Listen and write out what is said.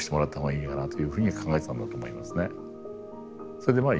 それでまあ